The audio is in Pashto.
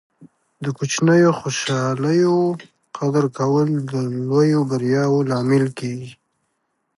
د کوچنیو خوشحالۍو قدر کول د لویو بریاوو لامل کیږي.